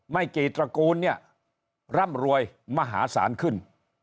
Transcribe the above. ไม่กี่ตระกูลเนี่ยร่ำรวยมหาศาลขึ้น